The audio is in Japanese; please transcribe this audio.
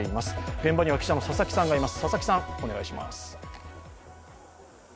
現場には、記者の佐々木さんがいます。